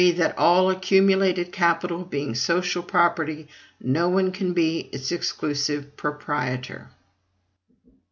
That all accumulated capital being social property, no one can be its exclusive proprietor.